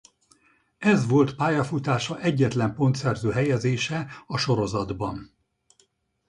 Ez volt pályafutása egyetlen pontszerző helyezése a sorozatban.